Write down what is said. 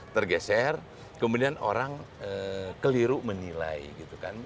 tergeser kemudian orang keliru menilai gitu kan